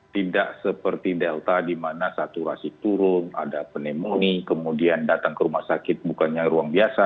tidak seperti delta di mana saturasi turun ada pneumonia kemudian datang ke rumah sakit bukannya ruang biasa